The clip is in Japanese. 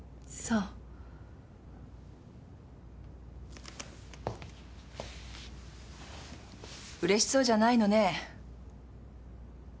うれしそうじゃないのね。